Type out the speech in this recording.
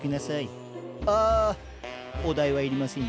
あお代は要りませんよ。